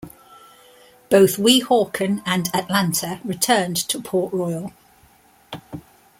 Both "Weehawken" and "Atlanta" returned to Port Royal.